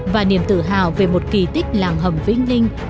và niềm tự hào về một kỳ tích làng hầm vĩnh linh